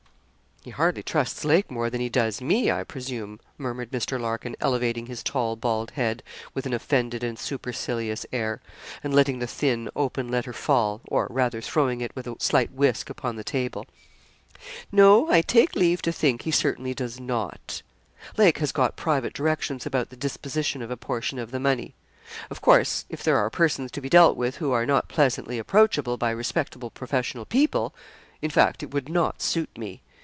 'He hardly trusts Lake more than he does me, I presume,' murmured Mr. Larkin, elevating his tall bald head with an offended and supercilious air; and letting the thin, open letter fall, or rather throwing it with a slight whisk upon the table. 'No, I take leave to think he certainly does not. Lake has got private directions about the disposition of a portion of the money. Of course, if there are persons to be dealt with who are not pleasantly approachable by respectable professional people in fact it would not suit me.